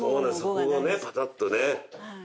そこをねパタッとね。